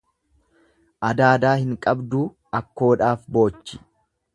Adaadaa hin qabduu akkoodhaaf boochi.